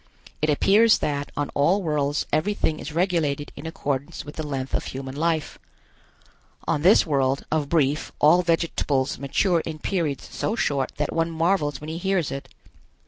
It appears that on all worlds everything is regulated in accordance with the length of human life. On this world, of Brief all vegetables mature in periods so short that one marvels when he hears it.